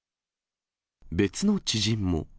別の知人も。